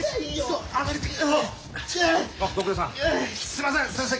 すいません先生